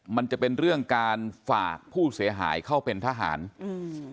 มันจะเป็นเรื่องการฝากผู้เสียหายเข้าเป็นทหารอืม